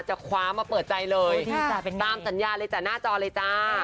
จะคว้ามาเปิดใจเลยตามสัญญาเลยจ้ะหน้าจอเลยจ้า